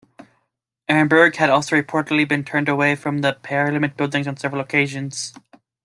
Arenburg had also reportedly been turned away from the Parliament Buildings on several occasions.